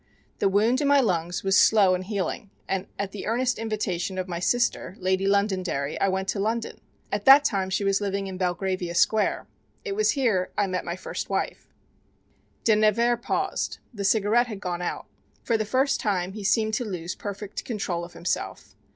The wound in my lungs was slow in healing, and at the earnest invitation of my sister, Lady Londonderry, I went to London. At that time she was living in Belgravia Square. It was here I met my first wife." De Nevers paused. The cigarette had gone out. For the first time he seemed to lose perfect control of himself.